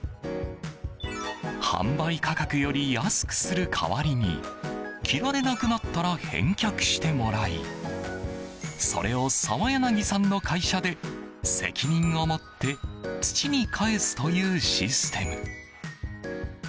販売価格より安くする代わりに着られなくなったら返却してもらいそれを、澤柳さんの会社で責任を持って土にかえすというシステム。